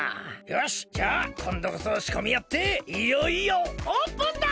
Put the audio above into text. よしじゃあこんどこそしこみやっていよいよオープンだ！